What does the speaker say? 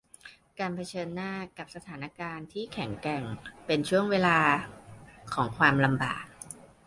การเผชิญหน้ากับสถานการณ์ที่แข็งแกร่งเป็นช่วงเวลาของความลำบาก